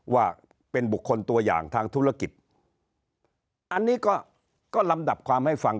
ว่าเป็นบุคคลตัวอย่างทางธุรกิจอันนี้ก็ก็ลำดับความให้ฟัง